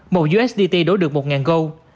một usdt đối được một gold